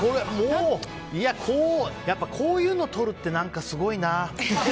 やっぱこういうのとるってすごいな。